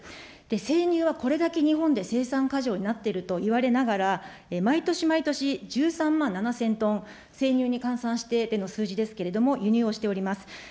生乳はこれだけ日本で生産過剰になっているといわれながら、毎年毎年１３万７０００トン、生乳に換算してでの数字ですけれども、輸入をしております。